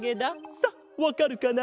さあわかるかな？